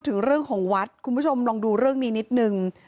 ถึงเรื่องของวัดคุณผู้ชมลองดูเรื่องนี้นิดนึง